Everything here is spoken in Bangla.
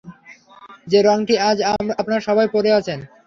যে রঙটি আজ আপনারা সবাই পরে আছেন।